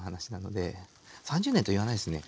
３０年と言わないですね。